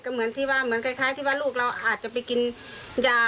เหมือนที่ว่าลูกเราอาจจะไปกินยา